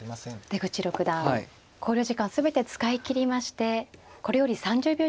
出口六段考慮時間全て使い切りましてこれより３０秒将棋に入ります。